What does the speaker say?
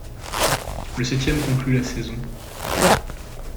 Le septième conclut la saison.